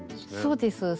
そうです。